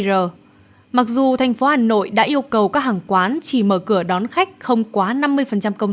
mặc dù thành phố hà nội đã yêu cầu các hàng quán chỉ mở cửa đón khách không quá năm mươi công